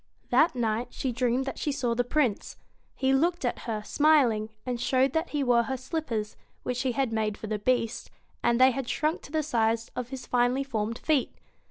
That night she dreamed that she saw the Prince. He looked at her, smiling, and showed that he wore her slippers which she had made for the Beast and they had shrunk to the size of his finely formed feet.